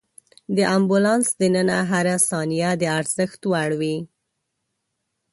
د امبولانس دننه هره ثانیه د ارزښت وړ وي.